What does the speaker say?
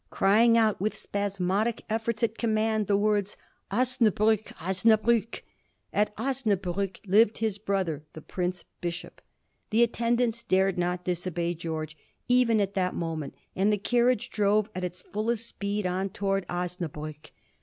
crying out, with spasmodic efforts at command^ the words * Osnabruck ! Osnabruck !' At Osnabruck lived his brother the Prince Bishop. The attendants dared not disobey Greorge, even at that moment, and the carriage drove at its fullest speed on towards Osna bruck.